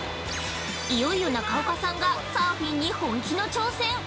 いよいよ中岡さんがサーフィンに本気の挑戦！